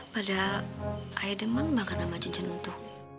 padahal ayah demen banget sama cincin itu